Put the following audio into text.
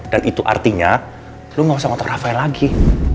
dan itu artinya lo gak usah ngotak rafael lagi